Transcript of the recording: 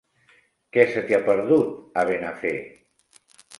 Què se t'hi ha perdut, a Benafer?